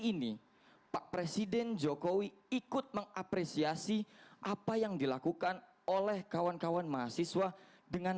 ini pak presiden jokowi ikut mengapresiasi apa yang dilakukan oleh kawan kawan mahasiswa dengan